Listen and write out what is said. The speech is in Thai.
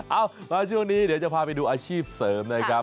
เอามาช่วงนี้เดี๋ยวจะพาไปดูอาชีพเสริมนะครับ